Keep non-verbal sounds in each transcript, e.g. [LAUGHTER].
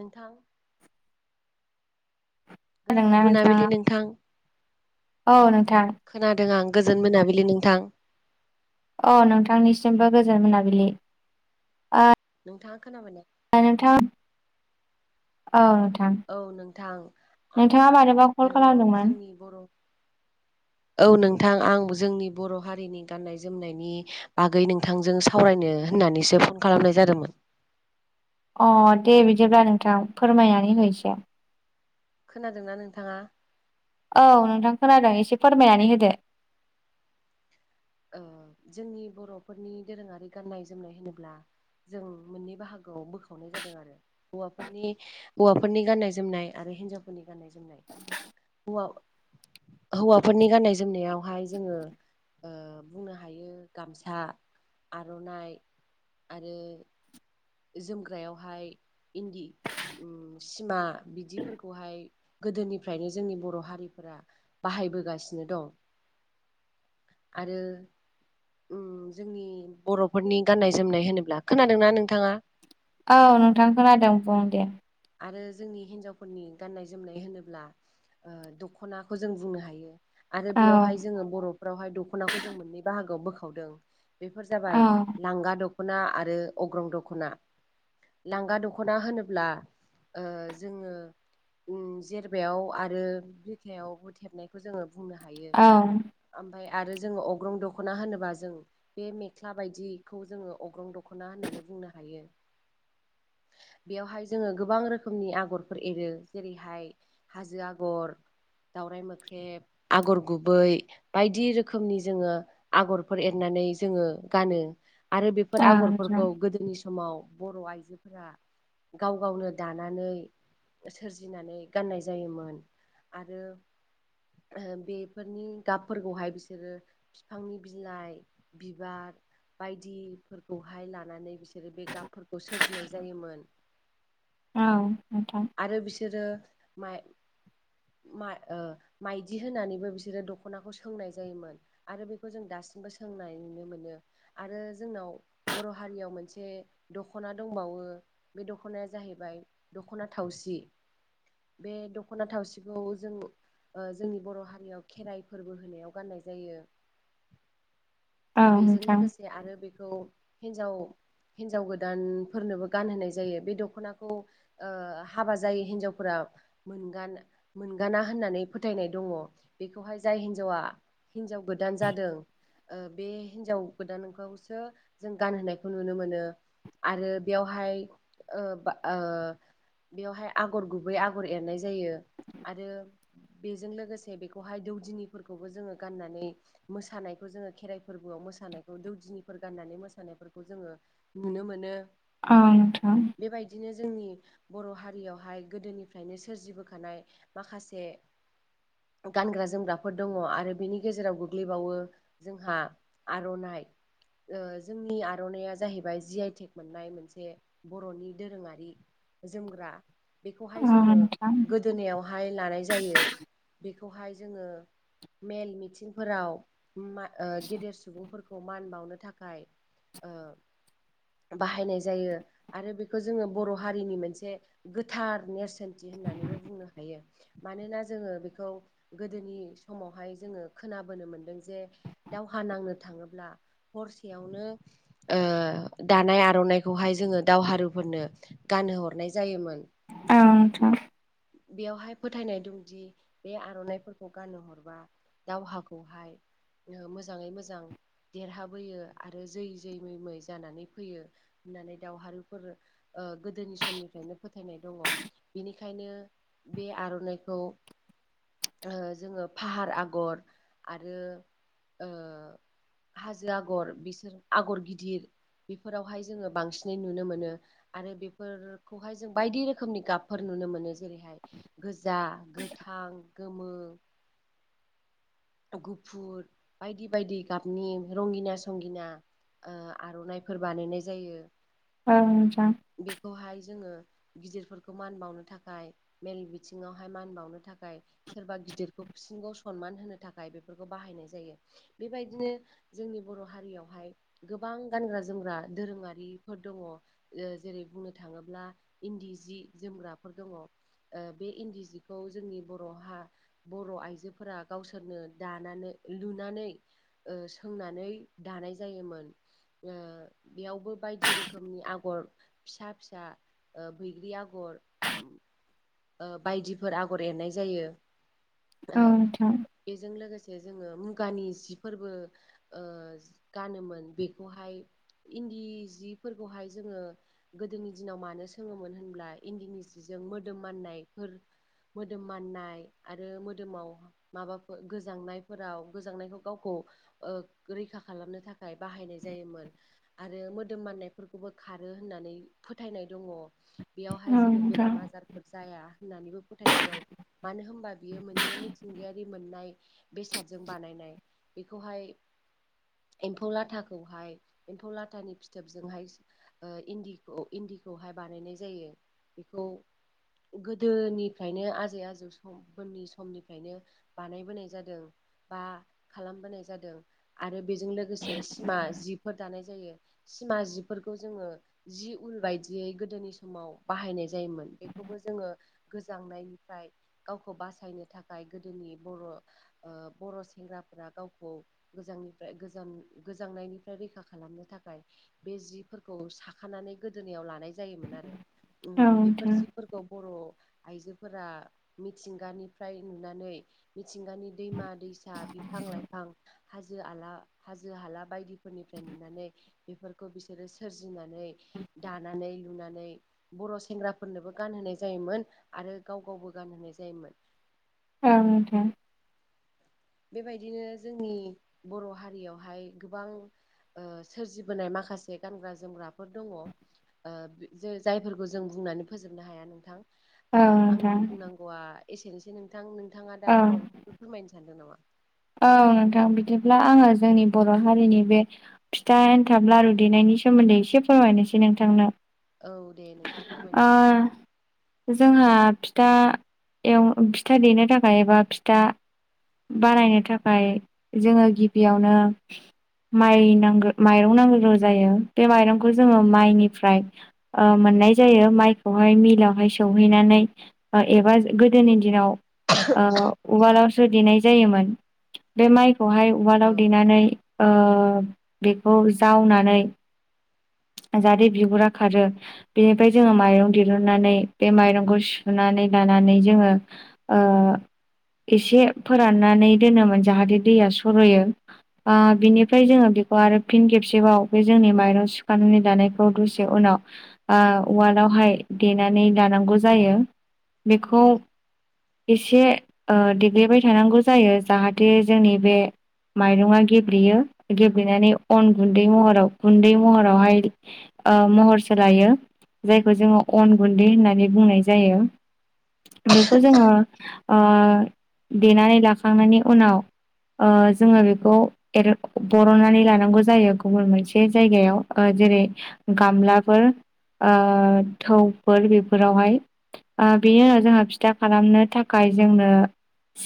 नोंथां। गोजोन खोनादोंना नोंथाङा मोनाबिलि नोंथां। औ नोंथां। खोनादों आं गोजोन मोनाबिलि नोंथां। अ नोंथांनिसिमबो गोजोन मोनाबिलि। ओ नोंथाङा खोना बायना? ओ नोंथां औ। औ नोंथां आं नोंथाङा मानोबा कल नोंनाव खालामदोंमोन जोंनि बर' औ नोंथां आं जोंनि बर' हारिनि गाननाय जोमनायनि बागै नोंथांजों सावरायनो होननानैसो फन खालामनाय जादोंमोन। अ दे बिदिब्ला नोंथां फोरमायनानै हो एसे। खोनादोंना नोंथाङा? औ नोंथां खोनादों एसे फोरमायनानै होदो। अ जोंनि बर'फोरनि दोरोङारि गाननाय जोमनाय होनोब्ला जों मोननै बाहागोआव बोखावनाय जादों आरो हौवाफोरनि हौवाफोरनि गाननाय जोमनाय आर हिनजावफोरनि गाननाय जोमनाय। हौवा-हौवाफोरनि गाननाय जोमनायावहाय जोङो ओ बुंनो हायो गामसा आर'नाइ आरो जोमग्रायावहाय इन्दि उम सिमा बिदिफोरखौहाय गोदोनिफ्रायनो जोंनि बर' हारिफ्रा बाहाय हायबोगासिनो दं आरो उम जोंनि बर'फोरनि गाननाय जोमनाय होनोब्ला खोनादोंना नोंथाङा? औ नोंथां खोनादों बुं दे। आरो जोंनि हिन्जावफोरनि गाननाय जोमनाय होनोब्ला ओ दख'नाखौ जों बुंनो हायो। आरो औ बेयावहाय जोङो बर'फ्रावहाय दख'नाखौ जों मोननै बाहागोआव बोखावदों। बेफोर औ जाबाय लांगा दख ख'ना आरो अग्रं दख'ना लांगा दख'ना होनोब्ला ओ जोङो उम जेरबाया आरो बिथायावबो थेबनायखौ जोङो बुंनो हायो औ। ओमफाय आरो जोङो अग्रं दख'ना होनोबा जों बे मेख्ला बायदिखौ जोङो अग्रं दख'ना होनना बो बुंनो हायो। बेयावहाय जोङो गोबां रोखोमनि आगरफोर एरो जेरैहाय हाजो आगर दावराइ मोख्रेब आगर गुबै बायदि रोखोमनि जोङो आगरफोर एरना नै जोङो गानो। आरो बेफोर औ नोंथां आगरफोरखौ गोदोनि समाव बर' आइजोफोरा गाव गावनो दानानै सोरजिनानै गाननाय जायोमोन आरो ओ बेफोरनि गाबफोरखौहाय बिसोरो फिफांनि बिलाइ बिबार बायदिफोरखौहाय लानानै बिसोरो बे गाबफोरखौ सोरजिनाय जायोमोन। औ। नोंथां आरो बिसोरो माइ माइ ओ माइदि होनानैबो बिसोरो दख'नाखौ सोंनाय जायोमोन आरो बेखौ जों दा सिमबो सोंनाय नुनो मोनो आरो जोंनाव बर' हारियाव मोनसे दख'ना दंबाव वो बे दख'नाया जाहैबाय दख'ना थावसि बे दख'ना थावसिखौ जों ओ जोंनि बर' हारियाव खेराइ फोरबो होनायाव गाननाय जायो। औ बेजों नोंथां लोगोसे आरो बेखौ हिन्जाव हिनजाव गोदानफोरनोबो गानहोनाय जायो बे दख'नाखौ हाबा जायो हिनजावफोरा मोनगाना होननानै फोथायनाय दङ बेखौहाय जाय हिनजावा हिनजाव गोदान जादों। बे हिन्जाव गोदानखौसो जों गानहोनायखौ नुनो मोनो। आरो बेवहाय बेवहाय आगर गुबै आगर एरनाय जायो। आरो बेजों लोगोसे बेखौहाय दौदिनिफोरखौबो जोङो गाननानै मोसानायखौ जोङो खेराइ फोरबोआव मोसानायखौ दौदिनिफोर गान्नानै मोसानायफोरखौ जोङो नुनो मोनो। ओं नोंथां। बेबायदिनो जोंनि बर' हारियावहाय गोदोनिफ्रायनो सोरजि बोखानाय माखासे गानग्रा जोमग्राफोर दङ आरो बिनि गेजेराव गोग्लैबावो जोंहा आर'नाइ। ओ जोंनि आर'नाइया जाहैबाय जि आइटेक मोननाय मोनसे बर'नि दोरोङारि जोमग्रा बेखौहाय औ जोङो नोंथां गोदोनायावहाय लानाय जायो बेखौ खौहाय जोङो मेल मिथिंफोराव गेदेर सुबुंफोरखौ मान बावनो थाखाय बाहायनाय जायो आरो बेखौ जोङो बर' हारिनि मोनसे गोथार नेरसोनथि होननानैबो बुंनो हायो मानोना जोङो बेखौ गोदोनि समावहाय जोङो खोनाबो खोनाबोनो मोन्दों जे। दावहा नांनो थाङोब्ला हरसेयावनो दानाय आर'नाइखौ बेहाय जोङो दावहारुफोरनो गान हरनाय जायोमोन। औ नोंथां। बेयावहाय फोथायनाय दंदि बे आर'नाइफोरखौ गानहो हरबा। दावहाखौहाय मोजाङै मोजां देरहाबोयो आरो जै जै मै मै जानानै फैयो होननानै दावहारुफोर ओ गोदोनि समनिफ्रायनो फोथायनाय दङ बेनिखायनो बे आर'नाइखौ ओ जोङो फाहार आगर आरो हाजो आगर बिसोर आगर गिदिर बेफोरावहाय जोङो बांसिनै नुनो मोनो आरो बेफोरखौहाय जों बायदि रोखोमनि गाबफोर नुनो मोनो। जेरैहाय गोजा, गोथां, गोमो गुफुर बायदि बायदि गाबनि रंगिना संगिना ओ आर'नाइफोर बानायनाय जायो औ नोंथां बेखौहाय जोङो गिदिरफोरखौ मान बावनो थाखाय मेल बिथिङावहाय मान बावनो थाखाय सोरबा गिदिरखौ बिसिनखौ सनमान होनो थाखाय थाखाय बेफोरखौ बाहायनाय जायो बेबायदिनो जोंनि बर' हारियावहाय गोबां गानग्रा जोमग्रा दोरोङारिफोर दङ जेरै बुंनो थाङोब्ला इन्दि सि जोमग्रा दङ बे इन्दि सिखौ जोंनि बर'हा बर' आइजोफोरा गावसोरनो दानानै लुनानै सोंनानै दानाय जायोमोन। बेयावबो बायदि रोखोमनि आगर फिसा फिसा बैग्रि आगर बायदिफोर आगर एरनाय जायो। औ नोंथां। बेजों लोगोसे जोङो मुगानि जिफोरबो गानोमोन बेखौहाय इन्दि सिफोरखौहाय जोङो गोदोनि दिनाव मानो सोङोमोन होनब्ला इन्दिनि जिजों मोदोम मानायफोर आरो मोदोमाव माबाफोर गोजांनायफोराव गोजांनायखौ गावखौ रैखा खालामनो थाखाय बाहायनाय जायोमोन। आरो मोदोम माननायफोरखौबो खारो होननानै फोथायनाय दङ। बेयावहाय औ जेबो नोंथां बेराम आजारफोर जाया। होननानैबो फोथायनाय दं मानो होनबा बियो मोनसे मिथिंगायारि मोननाय बेसादजों बानायनाय बेखौहाय। एम्फौ-लाथाखौहाय एम्फौ-लाथानि फिथोबजोंहाय इन्दिखौ इन्दि खौहाय बानायनाय जायो बेखौ गोदोनिफ्रायनो आजै-आजौ समफोरनि समनिफ्रायनो बानायबोनाय जादों बा खालामबोनाय जादों आरो बेजों लोगोसे सिमा जि‌ फोरा दानाय जायो। सिमा जिफोरखौ जोङो जि उल बायदियै गोदोनि समाव बाहाय नाय जायोमोन। बेखौबो जोङो गोजांनायनिफ्राय गावखौ बासायनो थाखाय गोदोनि बर' ओ बर' सेंग्राफोरा गावखौ गोजांनिफ्राय गोजां-गोजांनायनिफ्राय रैखा खालामनो थाखाय बे जिफोरखौ साखानानै गोदोनायाव ला‌ नाय जायोमोन आरो ओम औ बेफोर नोंथां जिफोरखौ बर' आइजोफोरा मिथिंगानिफ्राय नुनानै मिथिंगानि दैमा-दैसा, बिफां-लाइफां, हाजो-आला, हाजो-हाला बायदिफोरनि फ्राय नुनानै बेफोरखौ बिसोरो सोरजिनानै दानानै-लुनानै बर' सेंग्राफोरनोबो गानहोनाय जायोमोन आरो गाव गावबो गानहोनाय जायोमोन। औ नोंथां। बेबायदिनो जोंनि बर' हारियावहाय गोबां ओ सोरजिबोनाय माखासे गानग्रा-जोमग्राफोर दङ ओ जो-जायफोरखौ जों बुंनानै फोजोबनो हाया नोंथां ओ औ नोंथां आंनि बुंनांगौआ एसेनोसै नोंथां। नोंथाङा दा ओं माबाफोरखौ फोरमायनो सानदों नामा? औ नोंथां बिदिब्ला आङो जोंनि बर' हारिनि बे फिथा, एन्थाब, लारु देनाय नि सोमोन्दै एसे फोरमायनोसै नोंथांनो। औ दे नोंथां फोरमायनो ओ हागोन जोंहा फि था एउ-फिथा देनो थाखाय एबा फिथा बानायनो थाखाय जोङो गिबियावनो माइ नांगो माइरं नांग्रोगौ जायो बे माइरंखौ जोङो माइनिफ्राय ओ मोन नाय जायो माइखौहाय मिलावहाय सौहैनानै एबा गोदोनि दिनाव ओ उवालावसो देनाय जायोमोन बे माइ खौहाय औ उवालाव देनानै ओ बेखौ जावनानै जाहाथे बिगुरा खारो बेनिफ्राय जोङो माइरं दिहुननानै बे माइरंखौ सुना नै लानानै जोङो ओ एसे फोराननानै दोनोमोन जाहाथे दैया सर'यो ओ बिनिफ्राय जोङो बेखौ आरो फिन खेबसेबाव बे जोंनि माइरं सु खानानै लानायखौ दसे उनाव ओ उवालावहाय देनानै लानांगौ जायो। बेखौ एसे ओ देग्लिबाय थानांगौ जायो जाहाथे जोंनि बे माइरङा गेब्लेयो गेब्लेनानै अन गुन्दै महराव गुन्दै महरावहाय ओ महर सोलायो जायखौ जोङो अन गुन्दै होननानै बुंनाय जायो। बेखौ जोङो ओ देनानै लाखांनायनि उनाव ओ जोङो बेखौ एरन-बरननानै लानांगौ जायो गुबुन मोनसे जायगायाव ओ जेरै- गामलाफोर औ थौफोर बेफोरावहाय ओ बेयो जोंहा फि‌ था खालामनो थाखाय जोंनो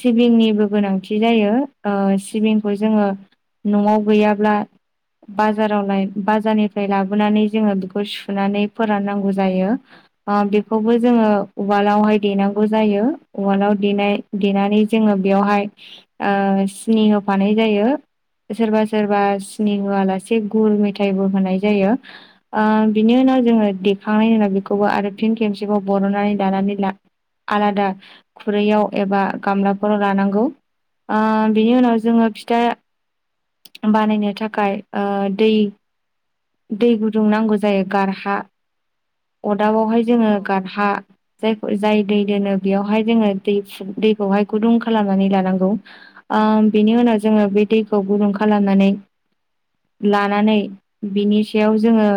सिबिंनिबो गोनांथि जायो ओ सिबिंखौ जोङो न'आव गैयाब्ला बाजाराव लाय बाजारनिफ्राय लाबोनानै जोङो बिखौ सुनानै फोराननांगौ जायो औ ओ बेखौबो जोङो उवालावहाय देनां‌ खौ जायो उवालाव देनानै जोङो बेयावहाय ओ सिनि होफानाय जायो। सोरबा-सोरबा सिनि होआलासे गुुर मेथाइबो होनाय जायो ओ बिनि उ नाव जोङो देखांनायनि उनाव बेखौबो आरो फिन खेमसेबाव बर'नानै लानानै ला आलादा खुरैयाव एबा गामलाफोराव लानांगौ। ओ बिनि उनाव जोङो फिथा बानायनो थाखाय ओ दै। दै गुदुं नांगौ जायो गारहा अदाबावहाय जोङो औ गारहा जायखौ जाय दै दोनो बेयावहाय जोङो दै दैखौहाय गुदुं खालामनानै लानांगौ। ओ बिनि उनाव जोङो बे दैखौ गुदुं खालामनानै लानानै। बिनि सायाव जोङो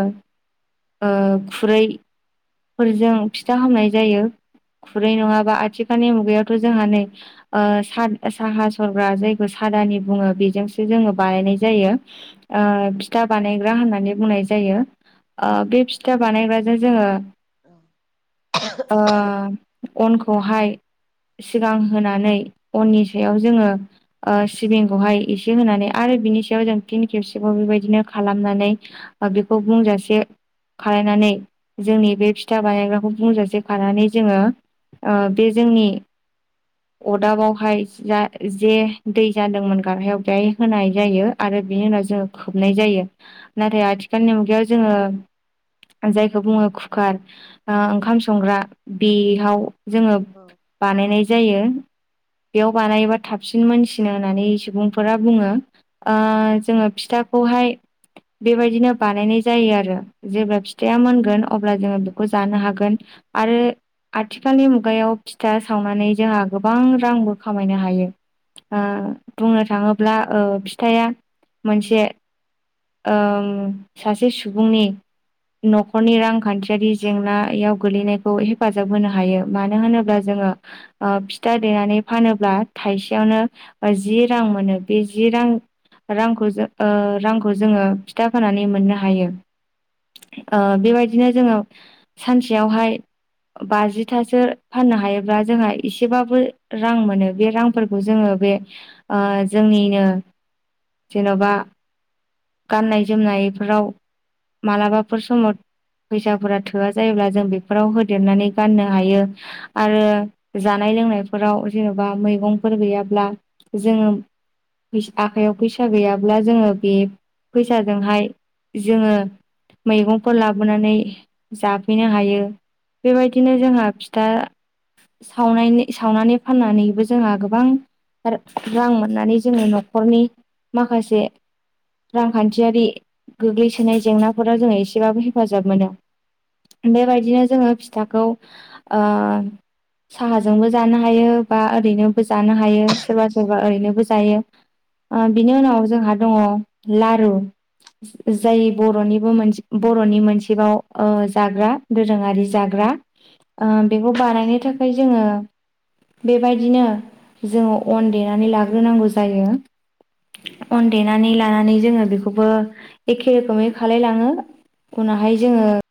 ओ खुरै फोरजों फिथा हामनाय जायो। खुरै नङाबा आथिखालनि मुगायावथ' जोंहा नै ओ सा साहा सरग्रा जायखौ आदानि बुङो बेजोंसो जोङो बानायनाय जायो ओ फिथा बानायग्रा होननानै बुंनाय जायो। जायो ओ फिथा बानायग्राजों जोङो। औ ओ अनखौहाय। सिगां होनानै अननि सायाव जोङो ओ सिबिंखौहाय एसे होनानै आरो बिनि सायाव जों फिन खेबसेबाव बेबायदिनो खालामनानै बेखौ बुंजासे खालायनानै जोंनि बे फिथा बानायग्राखौ बुंजासे खानानै जोङो ओ बे जोंनि अदाबावहाय जा जे दै जादोंमोन गारहायाव बेहाय होनाय जायो आरो आरो बिनि उनाव जोङो खोबनाय जायो नाथाय आथिखालनि मुगायाव जोङो। जायखौ बुङो कुकार बा ओंखाम संग्रा बेयाव जोङो औ बानायनाय जायो। [INAUDIBLE] बेयाव बानायोबा थाबसिन मोनसिनो होननानै सुबुंफोरा बुङो ओ जोङो फिथाखौ हायो बेबायदिनो बानायनाय जायो आरो जेब्ला फिथाया मोनगोन। अब्ला जोङो बेखौ जानो हागोन आरो आथिखालनि मुगायाव फिथा सावनानै जोंहा गोबां रांबो खामायनो हायो। ओ बुंनो थाङोब्ला ओ फिथाया मोनसे ओ सासे सुबुंनि नख'रनि रां खान्थियारि जेंनायाव गोलैनायखौ हेफाजाब होनो हायो मानो होनोब्ला जोङो फि था देनानै फानोब्ला थाइसेयावनो जि रां मोनो बे जि रां रांखौ ज ओ रांखौ जोङो फिथा फाननानै मोननो हायो। ओ बेबायदिनो जोङो सानसेयावहाय बाजिथासो फाननो हायोब्ला जोंहा एसेबाबो रां मोनो बे रांफोरखौ जोङो [INAUDIBLE] जोंनिनो जेन'बा गाननाय जोमनायफोराव मालाबाफोर समाव फैसाफोरा थोआ जायोब्ला जों बेफोराव होदेरनानै गाननो हायो आरो जानाय जानाय लोंनायफोराव जेन'बा मैगंफोर गैयाब्ला जोङो। फैस आखायाव फैसा गैयाब्ला जोङो बे फैसाजोंहाय जोङो मैगंफोर लाबो बोनानै जाफैनो हायो बेबायदिनो जोंहा फिथा सावनायनि सावनानै फाननानैबो जोंहा गोबां रां मोननानै जोङो न'खरनि माखासे। रांखान्थियारि गोग्लैसोनाय जेंनाफोराव जोङो एसेबाबो हेफाजाब मोनो। बेबायदिनो जोङो फिथाखौ ओ साहाजोंबो जानो हायो बा ओरैनोबो जानो नो हायो सोरबा सोरबा ओरैनोबो जायो बिनि उनाव जोंहा दङ'। औ लारु जाय बर'निबो मोनसे बर' बर'नि मोनसेबाव ओ जाग्रा दोरोङारि जाग्रा औ ओ बेखौ बानायनो थाखाय जोङो बेबायदिनो जोङो अन देनानै लाग्रोनांगौ जायो। अन देनानै लानानै जोङो बेखौबो एखे रोखोमै खालायलाङो। उनावहाय जोङो।